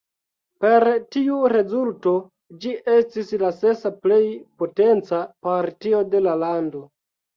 Per tiu rezulto ĝi estis la sesa plej potenca partio de la lando.